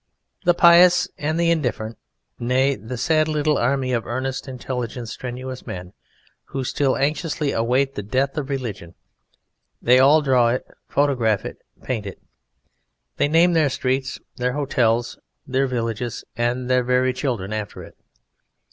The pious and the indifferent, nay, the sad little army of earnest, intelligent, strenuous men who still anxiously await the death of religion they all draw it, photograph it, paint it; they name their streets, their hotels, their villages, and their very children after it.